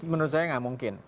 menurut saya tidak mungkin